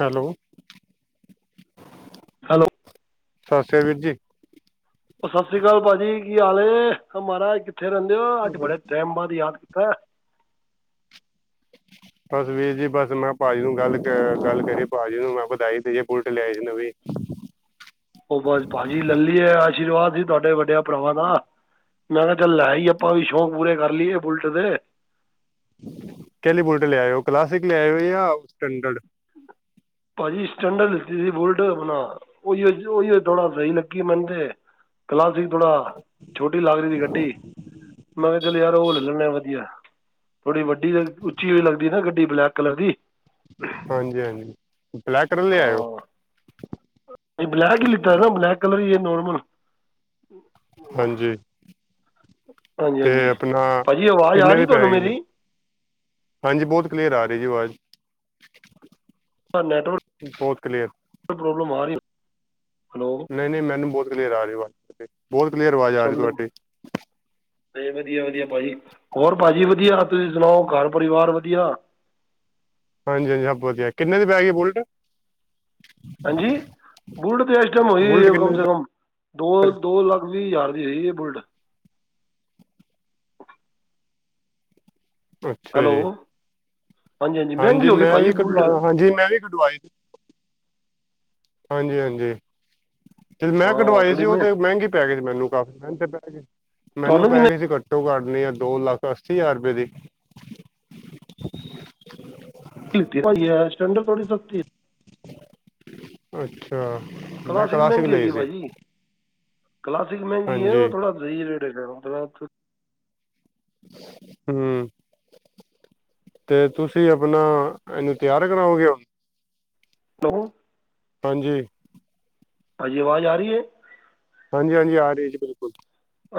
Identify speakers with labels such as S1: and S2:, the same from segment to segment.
S1: Hello?
S2: Hello
S1: ਸਤ ਤੇ ਵੀਰ ਜੀ।
S2: ਸਤਿ ਸ੍ਰੀ ਅਕਾਲ ਭਾਜੀ- ਕੀ ਹਾਲ ਏ ਮਹਾਰਾਜ ਕਿੱਥੇ ਰਹਿੰਦੇ ਹੋ, ਅੱਜ
S1: ਅਕਾਲ ਵੀਰ ਜੀ
S2: ਬੜੇ ਟਾਈਮ ਬਾਅਦ ਯਾਦ ਕੀਤਾ।
S1: ਬਸ ਵੀਰ ਜੀ, ਬਸ ਮੈਂ- ਭਾਜੀ ਨੂੰ ਗੱਲ, ਗੱਲ ਕਹਿਣੀ ਭਾਜੀ ਨੂੰ ਮੈਂ ਵਧਾਈ ਦਾਈਐ, ਬੁਲਟ ਲਿਆਏ ਨਵੀ।
S2: ਉਹ ਬਸ ਭਾਜੀ ਲੈ ਲੀ ਹੈ, ਆਸ਼ੀਰਵਾਦ ਸੀ ਤੁਹਾਡੇ ਵੱਡਿਆ ਭਰਾਵਾਂ ਦਾ। ਮੈਂ ਕਿਹਾ ਚੱਲ ਲੈਈਏ, ਆਪਾਂ ਵੀ ਸ਼ੌਂਕ ਪੂਰੇ ਕਰ ਲਈਏ ਬੁਲਟ ਦੇ।
S1: ਕੇੜੀ ਬੁਲਟ ਲਿਆਏ ਹੋ? ਕਲਾਸਿਕ ਲੈ ਆਏ ਹੋ ਜਾਂ ਸਟੈਂਡਰਡ?
S2: ਭਾਜੀ ਸਟੈਂਡਰਡ ਲਿੱਤੀ ਸੀ, ਬੁਲਟ ਆਪਣਾ। ਉਹੀ ਉਹੀ ਥੋੜਾ ਸਹੀ ਲੱਗੀ ਮੈਨੂੰ ਤੇ। ਕਲਾਸਿਕ? ਥੋੜਾ ਛੋਟੀ ਲੱਗਦੀ ਸੀ ਗੱਡੀ ਮੈਂ ਕਿਹਾ ਚੱਲ ਯਾਰ ਉਹ ਲੈ ਲਣੇ ਆ ਵਧੀਆ। ਥੋੜੀ ਵੱਡੀ ਲ ਉੱਚੀ ਹੋਈ ਲੱਗਦੀ ਨਾ ਗੱਡੀ ਬਲੈਕ ਕਲਰ ਦੀ।
S1: ਹਾਂਜੀ ਹਾਂਜੀ, ਬਲੈਕ ਕਲਰ ਲੈ ਆਇਓ।
S2: ਨਹੀਂ ਬਲੈਕ ਹੀ ਲਿੱਤਾ ਹੈ ਨਾ ਬਲੈਕ ਕਲਰ ਹੀ ਹੈ ਨੋਰਮਲ।
S1: ਹਾਂਜੀ!
S2: ਹਾਂਜੀ
S1: ਤੇ
S2: ਹਾਂਜੀ
S1: ਆਪਣਾ,
S2: ਭਾਅ ਜੀ ਆਵਾਜ਼ ਆ
S1: ਕਿੰਨੇ
S2: ਰਹੀ
S1: ਦੀ ਪੈ
S2: ਤੁਹਾਨੂੰ
S1: ਗਈ ਹੈ।
S2: ਮੇਰੀ
S1: ਹਾਂਜੀ, ਬਹੁਤ ਕਲੀਅਰ ਆ ਰਹੀ ਹੈ ਜੀ ਆਵਾਜ਼।
S2: ਸਰ
S1: ਬਹੁਤ ਕਲੀਅਰ
S2: ਨੈਟਵਰਕ ਪ੍ਰੋਬਲਮ ਆ ਰਹੀ। ਹੈਲੋ
S1: ਨਹੀਂ- ਨਹੀਂ ਮੈਨੂੰ ਬਹੁਤ ਕਲੀਅਰ ਆ ਰਹੀ, ਆਵਾਜ਼ ਤੁਹਾਡੀ, ਬਹੁਤ ਕਲੀਅਰ ਆਵਾਜ਼ ਆ ਰਹੀ ਤੁਹਾਡੀ।
S2: ਤੇ ਵਧੀਆ- ਵਧੀਆ ਭਾਜੀ, ਹੋਰ ਭਾਜੀ ਵਧੀਆ- ਤੁਸੀਂ ਸੁਣਾਓ, ਘਰ ਪਰਿਵਾਰ ਵਧੀਆ?
S1: ਹਾਂਜੀ-ਹਾਂਜੀ ਸਭ ਵਧੀਆ, ਕਿਨੇ ਦੀ ਪੈ ਗਈ ਬੁਲਟ।
S2: ਹਾਂਜੀ, ਬੂਲਟ ਤੇ ਐਸਟਮ ਹੋਈ
S1: ਬੁਲਟ ਕਿੰਨੇ
S2: ਕਮ
S1: ਦੀ
S2: ਸੇ ਕਮ। ਦੋ, ਦੋ ਲੱਖ ਵੀਹ ਹਜ਼ਾਰ ਦੀ ਆਈ ਹੈ। ਬੁਲਟ
S1: ਹਮ [unintelligible]
S2: ਹੈਲੋ। ਮਹਿੰਗੀ
S1: ਹਾਂਜੀ
S2: ਹੋ ਗਈ
S1: ਮੈਂ
S2: ਭਾਅ ਜੀ
S1: ਵੀ
S2: ਬੁਲਟ
S1: ਕਢਵਾ ਹਾਂਜੀ ਮੈਂ ਵੀ ਕਢਵਾਈ ਹਾਂਜੀ ਹਾਂਜੀ, ਤੇ ਮੈਂ
S2: ਹਾਂ
S1: ਕਢਵਾਈ ਸੀ
S2: ਥੋੜ੍ਹੀ
S1: ਉਹ
S2: ਮੈਂ
S1: ਤਾਂ ਮਹਿੰਗੀ ਪੈ ਗਈ ਸੀ ਮੈਨੂੰ ਕਾਫੀ ਮਹਿੰਗੇ ਪੈ ਗ ਮੈਨੂੰ
S2: ਤੁਹਾਨੂੰ
S1: ਪੈ
S2: ਕਿੰਨੇ
S1: ਗੲੀ ਸੀ ਘੱਟੋ ਘੱਟ ਨਹੀਂ ਆ ਦੋ ਲੱਖ ਅੱਸੀ ਹਜ਼ਾਰ ਰੁਪਏ ਦੀ।
S2: [unintelligible] ਸਟੈਂਡ ਥੋੜੀ ਸਕਤੀ ਹੈ
S1: ਅੱਛਾ, ਮੈਂ ਕਲਾਸਿਕ
S2: ਮਹਿੰਗੀ
S1: ਲਈ
S2: ਹੈਗੀ ਭਾਅ
S1: ਸੀ।
S2: ਜੀ ਕਲਾਸਿਕ ਮਹਿੰਗੀ ਹੈ,
S1: ਹਾਂਜੀ
S2: ਉਹ ਥੋੜਾ ਸਹੀ ਰੇਟ [unintelligible]
S1: ਹੂੰ। ਤੇ ਤੁਸੀਂ ਆਪਣਾ ਇਹਨੂੰ ਤਿਆਰ ਕਰਾਓਗੇ।
S2: ਹੈਲੋ।
S1: ਹਾਂਜੀ।
S2: ਹਾਂਜੀ, ਆਵਾਜ਼ ਆ ਰਹੀ ਹੈ?
S1: ਹਾਂਜੀ ਹਾਂਜੀ ਆ ਰਹੀ ਜੀ ਬਿਲਕੁਲ।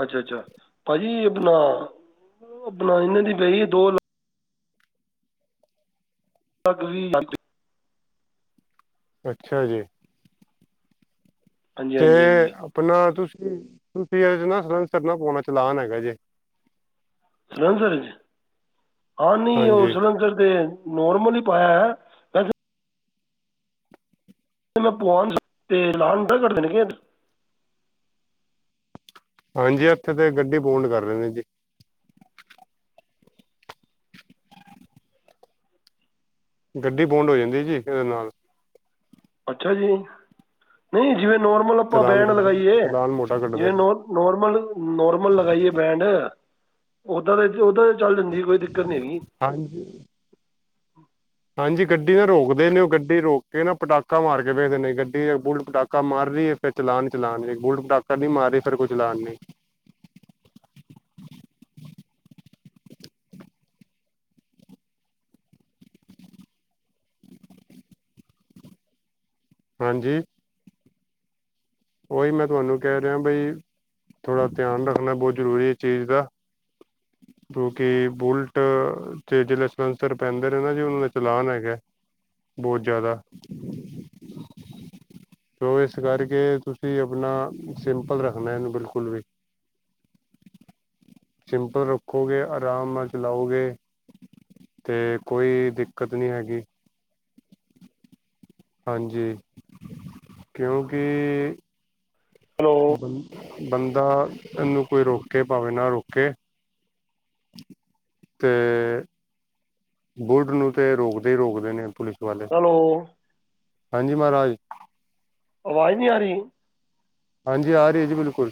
S2: ਅੱਛਾ-ਅੱਛਾ, ਭਾਜੀ ਆਪਣਾ, ਆਪਣਾ ਇਹਨੇ ਦੀ ਪਈ ਦੋ [unintelligible] ਹਾਂਜੀ।
S1: ਅੱਛਾ ਜੀ।
S2: ਹਾਂਜੀ
S1: ਤੇ,
S2: ਹਾਂਜੀ ਹਾਂਜੀ
S1: ਆਪਣਾ ਤੁਸੀਂ ਤੁਸੀਂ ਅ ਨਾ ਸਰਸਰ ਨਾ ਪਾਉਣਾ ਚਲਾਨ ਹੈਗਾ ਜੇ।
S2: [unintelligible] ਚ ਹਾਂ ਨਹੀਂ ਉਹ
S1: ਹਾਂਜੀ
S2: ਸਈਸਰ ਨੋਰਮਲ ਹੀ ਪਾਇਆ ਹੈ। ਵੈਸੇ ਮੈਂ ਪਵਾਉਣ ਤੇ ਲਉਣ [unintelligible]
S1: ਹਾਂਜੀ, ਇੱਥੇ ਤੇ ਗੱਡੀ ਪੋਡ ਕਰ ਰਹੇ ਨੇ ਜੀ। ਗੱਡੀ ਬੋਂਡ ਹੋ ਜਾਂਦੀ ਜੀ ਇਹਦੇ ਨਾਲ।
S2: ਅੱਛਾ ਜੀ, ਨਹੀਂ ਜਿਵੇਂ ਨੋਰਮਲ ਆਪਾਂ
S1: ਚਲਾਨ
S2: ਬੈਂਡ
S1: ਕਰਦਾ
S2: ਲਗਾਈਏ,
S1: ਚਲਾਨ ਮੋਟਾ ਕੱਟਦੇ
S2: ਜਿਵੇਂ
S1: ਨੇ
S2: ਨੋਰ ਨੋਰਮਲ ਨੋਰਮਲ ਲਗਾਈਏ ਬੈਂਡ। ਉੱਦਾਂ ਦੇ ਉੱਦਾਂ ਤੇ ਚੱਲ ਜਾਂਦੀ ਸੀ ਕੋਈ ਦਿੱਕਤ ਨੀ ਹੈਗੀ।
S1: ਹਾਂ ਹਾਂਜੀ, ਗੱਡੀ ਨਾ ਰੋਕਦੇ ਨੇ ਉਹ ਗੱਡੀ ਰੋਕ ਕੇ ਨਾ ਪਟਾਕਾ ਮਾਰ ਕੇ ਵੇਖਦੇ ਨੇ ਗੱਡੀ ਬੁਲਟ ਪਟਾਕਾ ਮਾਰ ਰਹੀ ਹੈ। ਫਿਰ ਚਲਾਨ ਚਲਾਨ ਬੁਲਟ ਪਟਾਕਾ ਨਹੀਂ ਮਾਰੀ ਫਿਰ ਕੋਈ ਚਲਾਨ ਨੀ। ਹਾਂਜੀ। ਉਹੀ ਮੈਂ ਤੁਹਾਨੂੰ ਕਹਿ ਰਿਹਾ ਬਈ ਥੋੜ੍ਹਾ ਧਿਆਨ ਰੱਖਣਾ ਬਹੁਤ ਜ਼ਰੂਰੀ ਹੈ ਚੀਜ਼ ਦਾ। [inaudible] ਕਿਉਂਕਿ ਬੁਲਟ ਚ ਜਿਹੜੇ ਸਲੈਂਸਰ ਪੈਂਦੇ ਨੇ ਨਾ, ਉਹਨਾਂ ਨੇ ਚਲਾਨ ਹੈਗਾ। ਬਹੁਤ ਜ਼ਿਆਦਾ, ਸੋ ਇਸ ਕਰਕੇ। ਤੁਸੀਂ ਆਪਣਾ ਸਿੰਪਲ ਰੱਖਣਾ ਇਹਨੂੰ ਬਿਲਕੁਲ ਵੀ। ਸਿੰਪਲ ਰੱਖੋਗੇ ਆਰਾਮ ਨਾਲ ਚਲਾਓਗੇ। ਤੇ ਕੋਈ ਦਿੱਕਤ ਨੀ ਹੈਗੀ। ਹਾਂਜੀ, ਕਿਉਂਕਿ
S2: ਹੈਲੋ।
S1: ਬੰਦਾ ਇਹਨੂੰ ਕੋਈ ਰੋਕ ਕੇ ਭਾਵੇਂ ਨਾ ਰੋਕੇ ਅਤੇ ਬੁਲਟ ਨੂੰ ਤੇ ਰੋਕਦੇ ਹੀ ਰੋਕਦੇ ਨੇ ਪੁਲਿਸ ਵਾਲੇ
S2: ਹੈਲੋ
S1: ਹਾਂਜੀ ਮਹਾਰਾਜ
S2: ਆਵਾਜ਼ ਨਹੀਂ ਆ ਰਹੀ?
S1: ਹਾਂਜੀ, ਆ ਰਹੀ ਹੈ ਜੀ ਬਿਲਕੁਲ।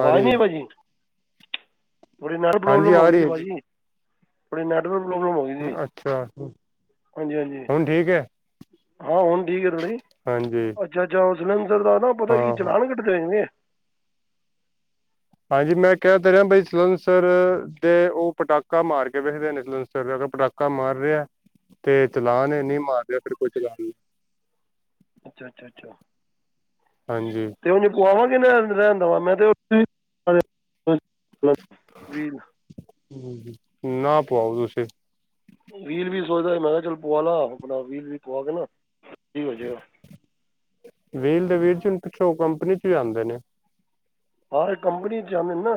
S2: ਆਵਾਜ਼
S1: ਰਹੀ
S2: ਨਹੀਂ
S1: ਹੈ
S2: ਆ ਭਾਜੀ। ਥੋੜੀ ਨੈੱਟ
S1: ਹਾਂਜੀ
S2: ਪ੍ਰੋਬਲਮ ਹੋ
S1: ਆ
S2: ਗਈ
S1: ਰਹੀ
S2: ਸੀ
S1: ਹੈ ਜੀ
S2: ਭਾਜੀ, ਥੋੜੀ ਨੈੱਟਵਰਕ ਪ੍ਰੋਬਲਮ ਹੋ ਗਈ ਸੀ
S1: ਅੱਛਾ,
S2: ਹਾਂਜੀ ਹਾਂਜੀ
S1: ਹੁਣ ਠੀਕ ਹੈ।
S2: ਹਾਂ ਹੁਣ ਠੀਕ ਹੈ ਨਾਲੇ,
S1: ਹਾਂਜੀ
S2: ਅੱਛਾ-ਅੱਛਾ ਸਲੰਧਰ ਦਾ ਨਾ ਪਤਾ ਕੀ
S1: ਹਾਂ
S2: ਚਲਾਨ ਕੱਢ ਦੇਗੇ।
S1: ਹਾਂਜੀ, ਮੈਂ ਕਹਿ ਦੇ ਰਿਹਾ ਬਈ ਸਲੰਸਰ ਦੇ ਉਹ ਪਟਾਕਾ ਮਾਰ ਕੇ ਵੇਖਦੇ ਨੇ ਸਲੰਸਰ ਅਰ ਪਟਾਕਾ ਪੱਕਾ ਮਾਰ ਰਿਹਾ ਤੇ ਚਲਾਨ ਨਹੀਂ ਮਾਰ ਰਿਹਾ ਫਿਰ ਕੋਈ ਚਲਾ
S2: ਅੱਛਾ ਅੱਛਾ ਅੱਛਾ।
S1: ਹਾਂਜੀ
S2: ਤੇ ਉਹਨੂੰ ਪਵਾਵਾਂਗੇ ਰਹਿਣ ਦੇਵਾਂ ਮੈਂ ਤੇ ਵੀਲ
S1: ਨਾ ਪਾਵਾਓ ਤੁਸੀਂ
S2: ਵੀਲ ਵੀ ਸੋਚਦਾ ਮੈਂ ਕਿਹਾ ਚੱਲ ਪਆ ਲਾ ਆਪਣਾ ਵੀਲ ਵੀ ਪਆ ਕੇ ਨਾ ਹੋ ਜਾੇਗਾ
S1: ਵੀਲ ਦੇ ਵੀਲ ਚ ਪਿਛੋ ਕੰਪਨੀ ਚ ਵੀ ਆਉਂਦੇ ਨੇ
S2: ਹਰ ਕੰਪਨੀ ਚ ਆਦੇ ਨਾ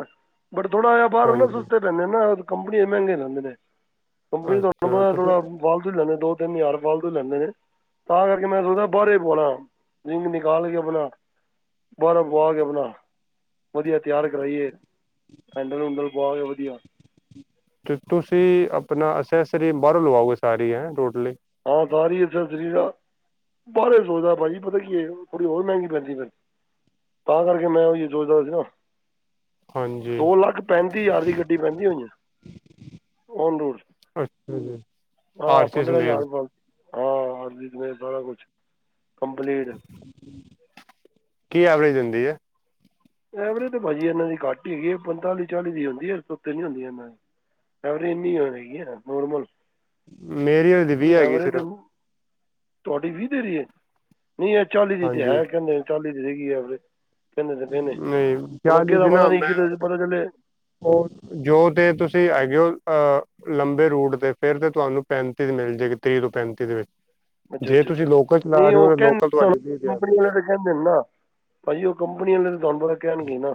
S2: ਬਟ ਥੋੜਾ ਜਹਾ ਬਾਹਰ ਨਾ
S1: ਹਾਂਜੀ
S2: ਸਸਤੇ ਪੈਂਦੇ ਨਾ ਕੰਪਨੀ ਮਹਿੰਗੇ ਪਦੇ ਨੇ ਕੰਪਨੀ ਤੁਹਾਨੂੰ
S1: ਅੱਛਾ
S2: ਪਤਾ
S1: ਤੁਸੀਂ
S2: ਥੋੜਾ ਫ਼ਾਲਤੂ ਹੀ ਲੈਂਦੇ ਦੋ ਤਿੰਨ ਯਾਰ ਫ਼ਾਲਤੂ ਲੈਂਦੇ ਨੇ ਤਾਂ ਕਰਕੇ ਮੈਂ ਸੋਚਦਾ ਬਾਹਰੇ ਪਾਣਾ ਰਿੰਗ ਨਿਕਾਲ ਕੇ ਆਪਣਾ ਬਾਹਰੋਂ ਪਵਾ ਲਵੇ ਬੰਦਾ। ਵਧੀਆ ਤਿਆਰ ਕਰਾਈਏ ਹੈਂਡਲ ਹੁੰਡਲ ਪਆ ਕੇ ਵਧੀਆ
S1: ਅਤੇ ਤੁਸੀਂ ਆਪਣਾ ਅਸੈਸਰੀ ਬਾਹਰੋਂ ਲਵਾਓਗੇ ਸਾਰੀ ਹੈਂ ਟੋਟਲੀ
S2: ਹਾਂ ਸਾਰੀ ਅਸੈਸਰੀ ਦਾ ਬਾਰੇ ਸੋਚਦਾ ਭਾਜੀ ਪਤਾ ਕੀ ਥੋੜੀ ਬਹਤ ਮਹਿੰਗੀ ਪੈਂਦੀ ਤਾਂ ਕਰਕੇ ਮੈਂ ਉਹੀ ਸੋਚਦਾ ਸੀ ਨਾ
S1: ਹਾਂਜੀ
S2: ਦੋ ਲੱਖ ਪੈਂਤੀ ਹਜ਼ਾਰ ਦੀ ਗੱਡੀ ਪੈਂਦੀ ਹੋਈਆਂ
S1: ਅੱਛਾ ਜੀ
S2: ਹਾਂ
S1: ਆਰ ਸੀ
S2: ਪੰਦਰਾਂ ਹਜ਼ਾਰ
S1: ਸਮੇਤ
S2: ਹਾਂ ਅਰ ਸਾਰਾ ਕੁਛ ਕੰਪਲੀਟ
S1: ਕੀ ਐਵਰੇਜ ਦਿੰਦੀ ਹੈ
S2: ਐਵਰੇਜ ਤਾਂ ਭਾਅਜੀ ਇਹਨਾਂ ਦੀ ਘੱਟ ਹੀ ਹੈਗੀ ਪੰਤਾਲੀ ਚਾਲੀ ਦੀ ਹੁੰਦੀ ਹੈ ਸ ਉੱਤੇ ਨੀ ਹੁੰਦੀ ਇਹਨਾਂ ਦੀ ਚਲਦੀ ਐਨੀ ਹ ਨੋਰਮਲ
S1: ਮੇਰੀ ਹਜੇ ਵੀਹ ਹੈਗੀ
S2: ਐਵਰੇਜ
S1: ਸਿਰਫ
S2: ਤੁਹਾਡੀ ਵੀਹ ਦੇਰੀ ਹੈ ਨਹੀਂ ਇਹ ਚਾਲੀ ਦੀ ਤੇ
S1: ਹਾਂਜੀ
S2: ਹੈ ਕਹਿੰਦੇ ਚਾਲੀ ਦੀ ਸੀਗੀ ਐਵਰੇਜ ਕਹਿੰਦੇ ਤਾਂ ਪਏ ਨੇ
S1: ਨਹੀਂ
S2: ਹੁਣ ਅੱਗੇ
S1: ਚਾਲੀ
S2: ਤਾਂ
S1: ਦੀ
S2: ਪਤਾ
S1: ਨਾ
S2: ਨੀ ਕਿ
S1: ਮੈਂ
S2: ਪਤਾ ਚਲੇ
S1: ਉਹ ਜੋ ਤੇ ਤੁਸੀਂ ਹੈਗੇਓ ਅਹ ਲੰਬੇ ਰੂਟ ਤੇ ਫੇਿਰ ਤੇ ਤੁਹਾਨੂੰ ਪੈਂਤੀ ਮਿਲ ਜਾਏਗੀ ਤੇਈਹ ਤੋਂ ਪੈਂਤੀ ਦੇ ਵਿੱਚ
S2: ਅੱਛਾ
S1: ਜੇ
S2: ਅੱਛਾ
S1: ਤੁਸੀਂ
S2: ਅੱਛਾ
S1: ਲੋਕਲ ਚਲਾ
S2: ਨਹੀਂ
S1: ਰਹੇ
S2: ਉਹ
S1: ਹੋ ਲੋਕਲ
S2: ਕਹਿੰਦੇ
S1: ਤੁਹਾਡੀ ਵੀ ਦਿਆਂਗੇ
S2: ਕੰਪਨੀ ਵਾਲੇ
S1: ਹੈ
S2: ਤਾਂ ਕਹਿੰਦੇ ਨਾ ਭਾਜੀ ਉਹ ਕੰਪਨੀ ਵਾਲੇ ਤੁਹਾਨੂੰ ਬਰਾ ਕਹਿਣਗੇ ਨਾ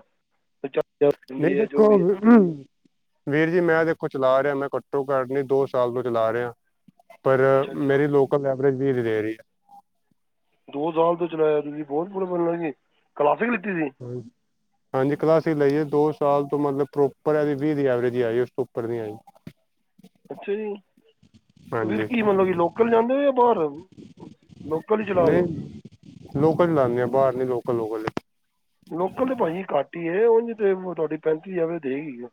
S1: ਨਹੀਂ
S2: ਹੁੰਦੀ ਹੈ ਜੋ
S1: ਦੇਖੋ
S2: ਵੀ ਹੈ
S1: ਵੀਰ ਜੀ ਵੀਰ ਜੀ ਮੈਂ ਦੇਖੋ ਚਲਾ ਰਿਹਾ ਮੈਂ ਘੱਟੋ ਘੱਟ ਨਹੀਂ ਦੋ ਸਾਲ ਤੋਂ ਚਲਾ ਰਿਹਾ ਪਰ
S2: ਅੱਛਾ ਅੱਛਾ
S1: ਮੇਰੀ ਲੋਕਲ ਐਵਰੇਜ ਵੀ ਨਹੀਂ ਦੇ ਰਹੀ ਹੈ
S2: ਦੋ ਸਾਲ ਤੋਂ ਚਲਾਇਆ ਤੁਸੀਂ ਬਹੁਤ ਬੜ ਮਨੀ ਕਲਾਸਿਕ ਲਿੱਤੀ ਸੀ
S1: ਹਾਂ ਹਾਂਜੀ ਕਲਾਸੀ ਹੀ ਲਈਏ ਦੋ ਸਾਲ ਤੋਂ ਮਤਲਬ ਪ੍ਰੋਪਰ ਇਹਦੀ ਵੀਹ ਦੀ ਐਵਰੇਜ ਹੀ ਆਈ ਉਸ ਤੋਂ ਉੱਪਰ ਨਹੀਂ ਆਈ।
S2: ਅੱਛਾ ਜੀ। ਤੇ ਫਿਰ
S1: ਹਾਂਜੀ
S2: ਕੀ ਮਤਲਬ ਕੀ ਲੋਕਲ ਜਾਂਦੇ ਹੋ ਜਾਂ ਬਾਹਰ ਲੋਕਲ ਹੀ ਚਲਾ ਰਹੇ ਹੋ।
S1: ਨਹੀਂ ਲੋਕਲ ਲਾਂਦੇ ਆ ਬਾਹਰ ਨੀ ਲੋਕਲ ਲੋਕਲ।
S2: ਲੋਕਲ ਤੇ ਭਾਜੀ ਘੱਟ ਹੀ ਉਹ ਤੇ ਤੁਹਾਡੀ ਪੈਂਤੀ ਹਜ਼ਾਰ ਦੇਗੀਈ ਆ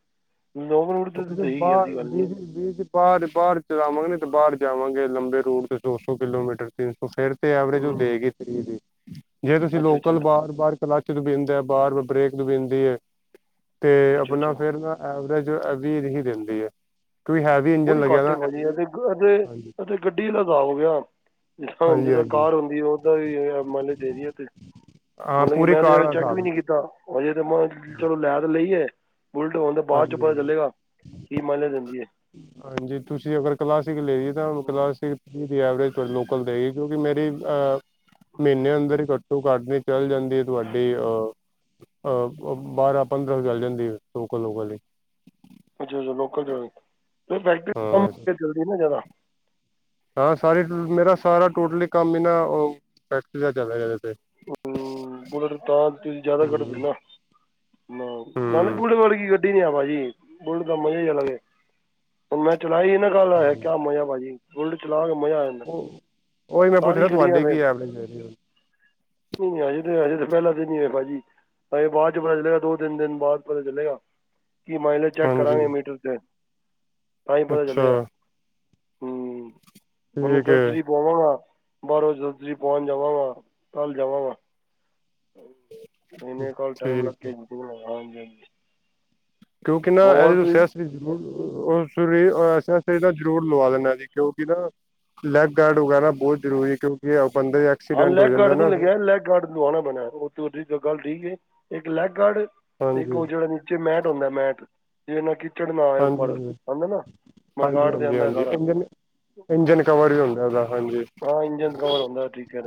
S2: ਲੋਕਲ
S1: ਉਹ ਬਾਹਰ ਬੀਜ ਬੀਜ। ਬਾਹਰ ਬਾਹਰ ਚਲਾਵਾਂਗੇ ਤੇ ਬਾਹਰ ਜਾਵਾਂਗੇ ਲੰਬੇ ਰੂਟ ਤੋਂ ਦੋ ਸੌ ਕਿਲੋਮੀਟਰ ਤਿੰਨ ਸੌ ਫੇਰ। ਐਵਰੇਜ ਉਹ
S2: ਹੂੰ
S1: ਦੇਗੀ ਫਰੀ ਦੀ ਜੇ ਤੁਸੀਂ
S2: ਅੱਛਾ ਅੱਛਾ
S1: ਲੋਕਲ ਬਾਰ ਬਾਰ ਕਲਾ ਬਿੰਦੈ ਬਾਰ ਬਰੇਕ ਬਿੰਦ ਦੀ ਹ ਤੇ
S2: ਅੱਛਾ
S1: ਆਪਣਾ
S2: ਅੱਛਾ
S1: ਫਿਰ ਹੈ ਤੇ ਆਪਣਾ ਫਿਰ ਨਾ ਐਵਰੇਜ ਅਭੀ ਨਹੀਂ ਹੀ ਦਿੰਦੀ ਹੈ ਇੰਜਨ
S2: ਬੜੀ
S1: ਲੱਗਿਆ
S2: ਘਾਟੇ
S1: ਨਾ
S2: ਭਾਜੀ ਆ
S1: ਹਾਂਜੀ
S2: ਤੇ ਗੱਡੀ ਲਗਾੳਗੇ ਆਪ। ਹਾਂਜੀ ਕਾਰ ਹੁੰਦੀ ਹੈ ਓਦਾ ਵੀ ਮਾਈਲੇਜ ਦੇਣੀ
S1: ਹਾਂ
S2: ਮਤਲਬ ਕਿ
S1: ਪੂਰੀ
S2: ਮੈਂ
S1: ਕਾਰ
S2: ਤੇ
S1: ਦਾ
S2: ਚੈੱਕ ਵੀ
S1: ਹਿਸਾਬ
S2: ਨਹੀਂ
S1: ਵਿੱਚ।
S2: ਕੀਤਾ। ਹਜੇ ਤੇ ਮੈਂ ਚਲੋ ਲੈ ਤੇ ਲਈਏ ਬੁਲਟ ਹੋਣ ਤੇ ਬਾਅਦ ਚੋਂ
S1: ਹਾਂਜੀ
S2: ਪਤਾ
S1: ਹਾਂਜੀ
S2: ਚੱਲੇਗਾ। ਕੀ ਮਾਇਨੇ ਦੇਂਦੀ ਹੈ।
S1: ਹਾਂਜੀ, ਤੁਸੀਂ ਅਗਰ ਕਲਾਸਿਕ ਲਈਏ ਤਾਂ ਕਲਾਸਿਕ ਦੀ ਐਵਰੇਜ ਤੁਹਾਨੂੰ ਲੋਕਲ ਦੇਵੇਗੀ। ਜੋ ਕਿ ਮੇਰੀ ਅ ਮਹੀਨੇ ਅੰਦਰ ਹੀ ਘੱਟੋ ਘੱਟ ਨ ਚਲ ਜਾਂਦੀ ਹੈ ਤੁਹਾਡੀ ਅਹ। ਅਹ ਬਾਰਾਂ ਪੰਦਰਾਂ ਚੱਲ ਜਾਂਦੀ ਲੋਕਲ ਲੋਕਾਂ ਲਈ
S2: ਅੱਛਾ, ਅੱਛਾ ਲੋਕਲ ਚਲਾਉਣੀ ਬੈਟਰੀ ਪਾ
S1: ਹਾਂ
S2: ਕੇ ਚਲਦੀਆਂ ਜਿਆਦਾ।
S1: ਹਾਂ ਸਾਰੀ ਮੇਰਾ ਸਾਰਾ ਟੋਟਲੀ ਕੰਮ ਇਹ ਨਾ ਫੈਕਟਰੀ ਦਾ ਚੱਲ ਰਿਹਾ ਜਿਆਦਾ।
S2: ਹਮ ਬੁਲਟ ਤਾਂ ਤੁਸੀਂ ਜ਼ਿਆਦਾ ਕੱਢਦੇ
S1: ਹੂੰ
S2: ਨਾ। ਨਾ ਨਾ ਨਹੀਂ
S1: ਹੂੰ
S2: ਬੁਲਟ ਵਾਰਗੀ ਗੱਡੀ ਨੀ ਆ ਭਾਜੀ ਬੁਲਟ ਦਾ ਮਜਾ ਹੀ ਅਲੱਗ ਆ। ਹੁਣ ਮੈਂ ਚਲਾਈ ਨਾ ਕਲ ਕਿਆ ਮਜਾ ਭਾਜੀ। ਬੁਲਟ ਚਲਾ ਕੇ ਮਜ਼ਾ ਆ ਜਾਂਦਾ,
S1: ਉਹ ਉਹੀ ਮੈਂ ਪੁੱਛ
S2: ਸਾਰੀ
S1: ਰਿਹਾ
S2: ਗੱਡੀਆਂ ਫੇਲ।
S1: [unintelligible]
S2: ਨਹੀਂ, ਨਹੀਂ ਅਜੇ ਤੇ ਤਾਂ ਪਹਿਲਾ ਦਿਨ ਹੀ ਹੈ ਭਾਜੀ ਅਜੇ ਬਾਅਦ ਚ ਪਤਾ ਚੱਲੇਗਾ ਦੋ ਤਿੰਨ ਦਿਨ ਬਾਅਦ ਪਤਾ ਚੱਲੇਗਾ। ਕੀ ਮਾਈਲੇਜ ਚੈੱਕ
S1: ਹਾਂਜੀ
S2: ਕਰਾਂਗੇ ਮੀਟਰ 'ਤੇ ਤਾਂ ਹੀ ਪਤਾ ਚੱਲੇਗਾ।
S1: ਅੱਛਾ
S2: ਮੈਨੂੰ
S1: ਠੀਕ
S2: ਜਰੂਰਤ
S1: ਹੈ
S2: ਹੋਈ ਪਾਵਾਂਗਾ ਬਾਹਰੋਂ ਜਰੂਰਤ ਪਾਉਣ ਜਾਵਾਂਗਾ। ਕੱਲ ਜਾਵਾਗਾ ਨਹੀਂ ਨਹੀਂ ਕੱਲ ਟਾਈਮ
S1: ਠੀਕ
S2: ਲੱਗ ਕੇ ਹਾਂਜੀ ਹਾਂਜੀ।
S1: ਕਿਉਂਕਿ ਨਾ
S2: ਹੋਰ
S1: ਐਜੇ
S2: ਤੁਸੀਂ
S1: ਸਿਆਸਤੂਰ ਸ [inaudible] ਸਿਆਸਤਰੀ ਦਾ ਜ਼ਰੂਰ ਲਵਾ ਦੇਣਾ ਜੀ। ਕਿਉਂਕਿ ਨਾ ਲੈਗ ਗਾਰਡ ਵਗੈਰਾ ਬਹੁਤ ਜ਼ਰੂਰੀ ਕਿਉਂਕਿ ਬੰਦੇ।
S2: ਹਾਂ
S1: ਐਕਸੀਡੈਂਟ ਹੋ
S2: ਲੈਗ
S1: ਜਾਂਦਾ
S2: ਗਾਰਡ ਨੀ
S1: ਨਾ ਫਿਰ
S2: ਲੱਗਿਆ ਲੈਗ ਗਾਰਡ। ਲਵਾਣਾ ਪੈਣਾ ਉਹ ਤੁਹਾਡੀ ਗੱਲ ਠੀਕ ਏ ਇੱਕ ਲੈਗ ਗਾਰਡ ਤੇ ਇੱਕ ਉਹ
S1: ਹਾਂਜੀ
S2: ਜਿਹੜਾ ਨ। ਜੀ ਮੈਟ ਹੁੰਦਾ ਮੈਟ। ਜੇ ਇਹਨਾ ਕਿਚੜ ਨਾ ਆਵੇ
S1: ਹਾਂਜੀ
S2: ਉੱਪਰ ਕਹਿੰਦੇ ਨਾ
S1: ਹਾਂਜੀ
S2: ਮਰਗਾੜ ਦੇ
S1: ਹਾਂਜੀ ਹਾਂਜੀ
S2: ਅੰਦਰ
S1: ਹਾਂਜੀ
S2: ਸਾਰਾ।
S1: ਇੰਜਨ ਇੰਜਨ ਕਵਰ ਵੀ ਹੁੰਦਾ ਉਹਦਾ ਹਾਂਜੀ।
S2: ਹਾਂ ਇੰਜਨ ਕਵਰ ਹੁੰਦਾ ਠੀਕ ਹੈ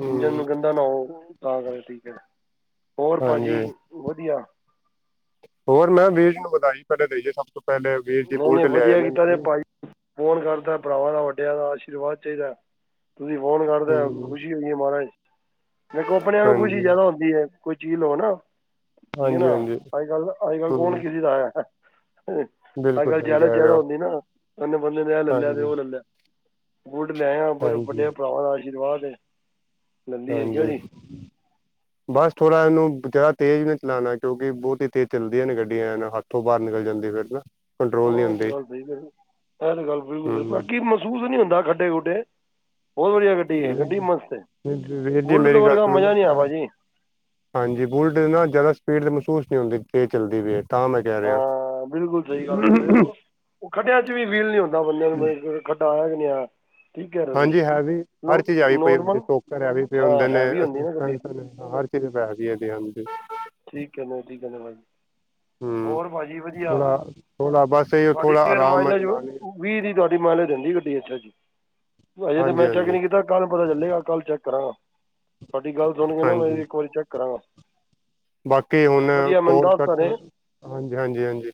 S1: ਹਮ
S2: ਇੰਜਨ। ਨਾ ਹੋਵੇ ਤਾਂ ਕਰ ਠੀਕ ਹੈ ਹੋਰ ਭਾਜੀ
S1: ਹਾਂਜੀ
S2: ਵਧੀਆ।
S1: ਹੋਰ ਮੈਂ ਵੀਰ ਨੂੰ ਵਧਾਈ ਪਹਿਲੇ ਦੇਈਏ ਸਭ ਤੋਂ ਪਹਿਲੇ ਵੀਰ ਜੀ
S2: ਨਹੀਂ
S1: ਬੁਲਟ
S2: ਨਹੀਂ
S1: ਲਿਆਏ ਇਹ
S2: ਵਧੀਆ
S1: ਨੇ
S2: ਕੀਤਾ ਜੇ
S1: ਵੀ।
S2: ਭਾਈ ਫੋਨ ਕਰਦਾ ਭਰਾਵਾਂ ਦਾ ਵੱਡਿਆਂ ਦਾ ਆਸ਼ੀਰਵਾਦ ਚਾਹੀਦਾ। ਤੁਸੀਂ ਫੋਨ ਕਰਦੇ
S1: ਹਮ
S2: ਖੁਸ਼ੀ ਹੋਈ ਹੈ ਮਹਾਰਾਜ ਦੇੇਖੋ ਆਪਣਿਆਂ ਨੂੰ ਖੁਸ਼ੀ
S1: ਹਾਂਜੀ
S2: ਜਿਆਦਾ ਹੁੰਦੀ ਹੈ। ਕੋਈ ਚੀਜ਼ ਲਓ ਨਾ ਠੀਕ ਹੈ
S1: ਹਾਂਜੀ
S2: ਨਾ
S1: ਹਾਂਜੀ
S2: ਅੱਜ ਕੱਲ
S1: ਹਮ
S2: ਕੌਣ ਕਿਸੀ ਦਾ ਹੈ? ਅੱਜ
S1: ਬਿਲਕੁਲ
S2: ਕੱਲ੍ਹ
S1: ਸਹੀ
S2: ਜੈਲਸ
S1: ਕਹਿ ਰਹੇ
S2: ਜ਼ਿਆਦਾ
S1: ਹੋ
S2: ਹੁੰਦੀ ਨਾ ਉਹਨੇ ਬੰਦੇ ਨੇ ਇਹ ਲੈ ਲਿਆ ਤੇ ਉਹ
S1: ਹਾਂਜੀ
S2: ਲੈ ਲਿਆ। ਬੁਲਟ ਲੈ ਆ ਵੱਡੇ
S1: ਹਾਂਜੀ
S2: ਭਰਾਵਾਂ ਦਾ ਆਸ਼ੀਰਵਾਦ ਹੈ। ਲੱਲੀ ਹੈ ਕਿਉਂ ਜੀ
S1: ਹਾਂਜੀ। ਬਸ ਥੋੜ੍ਹਾ ਇਹਨੂੰ ਜ਼ਿਆਦਾ ਤੇਜ਼ ਨਹੀ ਚਲਾਉਣਾ ਕਿਉਂਕਿ ਬਹੁਤ ਹੀ ਤੇਜ਼ ਚੱਲਦੀਆਂ ਨੇ ਗੱਡੀਆਂ ਇਹਨਾਂ ਹੱਥ। ਤੋਂ ਬਾਹਰ ਨਿਕਲ ਜਾਂਦੇ ਫਿਰ ਨਾ। ਕੰਟਰੋਲ ਨਹੀਂ
S2: ਹਾਂ ਇਹ ਤੇ
S1: ਹੁੰਦੀ
S2: ਗੱਲ ਸਹੀ ਇਹ ਤੇ ਗੱਲ ਬਿਲਕੁਲ
S1: ਹੂੰ
S2: ਸਹੀ ਮਹਿਸੂਸ ਨੀ ਹੁੰਦਾ ਖੱਡੇ ਖੁੱਡੇ। ਬਹੁਤ ਵਧੀਆ ਗੱਡੀ ਹੈ ਗੱਡੀ ਮਸਤ ਹੈ
S1: ਵੀਰ ਜੀ
S2: ਬੁਲਟ
S1: ਮੇਰੀ ਗੱਲ
S2: ਵਰਗਾ
S1: ਸੁਣੋ
S2: ਮਜਾ
S1: ਨਾ
S2: ਨੀ ਆ
S1: ਅਹ
S2: ਭਾਜੀ।
S1: ਹਾਂਜੀ ਬੁਲਟ ਤੇ ਨਾ ਜ਼ਿਆਦਾ ਸਪੀਡ ਮਹਿਸੂਸ ਨਹੀਂ ਹੁੰਦੀ ਕਿ ਤੇਜ ਚੱਲਦੀ ਵੇ। ਤਾਂ ਮੈਂ ਕਹਿ ਰਿਹਾ।
S2: ਹਾਂ ਬਿਲਕੁਲ ਸਹੀ ਗੱਲ ਕਰਦੇ ਹੋ ਉਹ ਖੱਡਿਆਂ ਚ ਫ਼ੀਲ ਨੀ ਹੁੰਦਾ ਬੰਦਿਆਂ ਨੂੰ ਖੱਡਾ ਆਇਆ ਕਿ ਨਹੀਂ ਆਇਆ। ਠੀਕ ਕਹਿ ਰਹੇ
S1: ਹਾਂਜੀ ਹੈ ਵੀ
S2: ਨੋ
S1: ਹਰ ਚੀਜ਼ ਆਈ ਪਈ ਹੁੰਦੀ
S2: ਨੋਰਮਲ
S1: ਸੋ ਘਰ ਹੈਵੀ ਪਏ
S2: ਹਾਂ
S1: ਹੁੰਦੇ ਨੇ।
S2: ਹੈਵੀ ਹੁੰਦੀ ਨਾ ਗੱਡੀ
S1: ਹਰ ਚੀਜ਼ ਪੈਸਿਆ ਦੀ ਆਂਦੀ।
S2: ਠੀਕ ਐ [unintelligible] ਜੀ
S1: ਹੂੰ
S2: ਹੋਰ ਭਾਜੀ ਵਧੀਆ
S1: ਥੋੜਾ ਥੋੜਾ ਬਸ ਇਹ
S2: ਤੁਹਾਡੀ
S1: ਥੋੜਾ
S2: [unintelligible]
S1: ਆਰਾਮ ਨਾਲ ਚਲਾਣੀ
S2: ਵੀਹ ਦੀ ਤੁਹਾਡੀ [unintelligible] ਦਿੰਦੀ ਗੱਡੀ ਅੱਛਾ ਜੀ ਅਜੇ ਤਾਂ
S1: ਹਾਂਜੀ
S2: ਮੈਂ ਚੈੱਕ
S1: ਹਾਂਜੀ
S2: ਨੀ ਕੀਤਾ। ਕੱਲ ਪਤਾ ਚੱਲੇਗਾ, ਕੱਲ ਚੈੱਕ ਕਰਾਂਗਾ, ਤੁਹਾਡੀ ਗੱਲ ਸੁਣ ਕੇ ਨਾ ਮੈਂ
S1: ਹਾਂਜੀ
S2: ਇੱਕ ਵਾਰੀ ਚੈੱਕ ਕਰਾਂਗਾ।
S1: ਬਾਕੀ
S2: ਨਹੀਂ
S1: ਹੁਣ
S2: ਨਹੀਂ ਵਧੀਆ ਮੈਨੂੰ
S1: ਕੋਲ
S2: ਦੱਸ ਤਾਂ
S1: ਕੱਟ
S2: ਰਹੇ
S1: ਹਾਂਜੀ ਹਾਂਜੀ ਹਾਂਜੀ।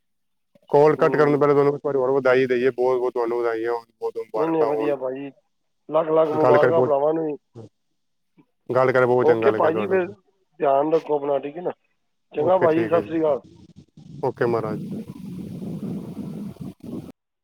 S1: ਕੋਲ ਕੱਟ
S2: ਹੂੰ
S1: ਕਰਨ ਪਹਿਲੇ ਤੁਹਾਨੂੰ ਇੱਕ ਵਾਰ ਹੋਰ ਵਧਾਈ ਦੇਈਏ ਬਹੁਤ ਬਹੁਤ ਤੁਹਾਨੂੰ ਵਧਾਈ ਹੈ।
S2: ਨਹੀਂ ਨਹੀਂ ਵਧੀਆ ਭਾਜੀ ਲੱਖ ਲੱਖ
S1: ਗੱਲ ਕਰ
S2: ਮੁਬਾਰਕਾਂ
S1: ਬਹੁਤ
S2: ਭਰਾਵਾਂ ਨੂੰ ਵੀ।
S1: ਗੱਲ ਕਰ ਬਹੁਤ ਚੰਗਾ ਲੱਗਿਆ
S2: ਭਾਅ ਜੀ
S1: ਤੁਹਾਡੇ
S2: ਫਿਰ
S1: ਨਾਲ।
S2: ਧਿਆਨ ਰੱਖੋ ਆਪਣਾ ਠੀਕ ਹੈ ਨਾ ਚੰਗਾ
S1: ਓਕੇ
S2: ਭਾਜੀ
S1: ਠੀਕ ਹੈ
S2: ਸਤਿ ਸ੍ਰੀ
S1: ਜੀ
S2: ਅਕਾਲ।
S1: ਓਕੇ ਮਹਾਰਾਜ।